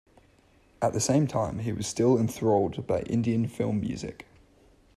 At the same time, he was still enthralled by Indian film music.